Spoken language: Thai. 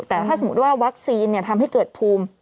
แต่ถ้าสมมุติว่าวัคซีนทำให้เกิดภูมิ